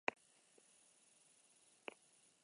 Gonzalezek ere emozioak jarri ditu balioan.